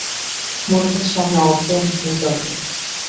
মনে হচ্ছে আমি অজ্ঞান হয়ে যাব।